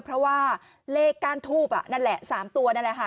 เพราะว่าเลขก้านทูบนั่นแหละ๓ตัวนั่นแหละค่ะ